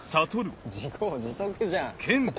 自業自得じゃん。